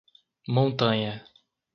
Montanha